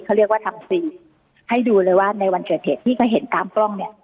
เขาเรียกว่าทำฟรีให้ดูเลยว่าในวันเกิดเหตุพี่ก็เห็นตามกล้องเนี่ย